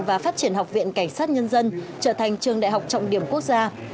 và phát triển học viện cảnh sát nhân dân trở thành trường đại học trọng điểm quốc gia